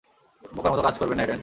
বোকার মত কাজ করবেননা, এডেন।